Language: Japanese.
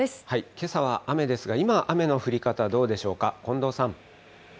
けさは雨ですが、今、雨の降り方、どうでしょうか、近藤さん。